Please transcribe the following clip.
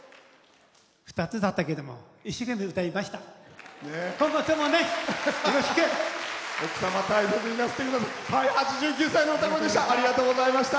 ２つだったけども一生懸命、歌いました。